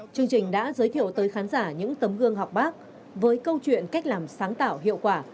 chương trình đã giới thiệu tới khán giả những tấm gương học bác với câu chuyện cách làm sáng tạo hiệu quả